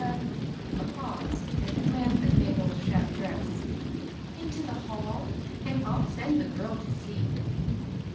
the ''— a pause, and a glance at Mabel's shabby dress — ^^into the hall^ and I'll send the girl to see."